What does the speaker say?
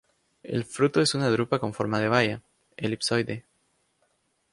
El fruto es una drupa con forma de baya, elipsoide.